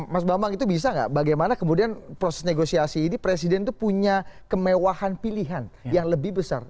mas bambang itu bisa nggak bagaimana kemudian proses negosiasi ini presiden itu punya kemewahan pilihan yang lebih besar